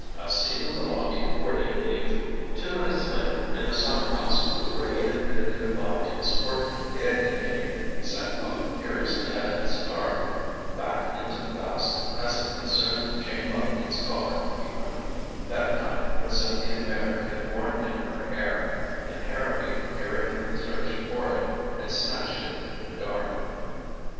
"I'll see you in the lobby before you leave." Two minutes later, in the summer house where he had bid good by to the sparkling Gaiety lady, he sat puffing furiously at a cigar. Back into the past as it concerned Chain Lightning's Collar he went. That night when Cynthia Meyrick had worn it in her hair, and Harrowby, hearing of the search for it had snatched it in the dark.